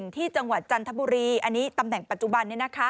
ที่จังหวัดจันทบุรีตำแหน่งปัจจุบันนี่